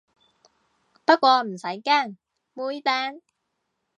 不過唔使驚，妹釘